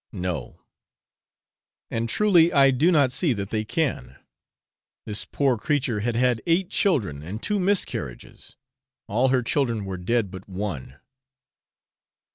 No!' And truly I do not see that they can. This poor creature had had eight children and two miscarriages. All her children were dead but one.